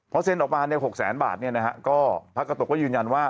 พอเซ็นออกมา๖แสนบาทก็พระกาโตก็ยืนยันว่า